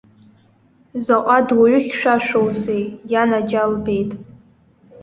Заҟа дуаҩы хьшәашәоузеи, ианаџьалбеит!